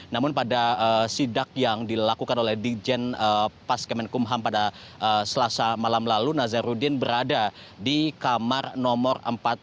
namun pada sidak yang dilakukan oleh dijen pas kemenkumham pada selasa malam lalu nazarudin berada di kamar nomor empat puluh